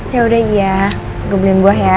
ya udah ya gue beliin buah ya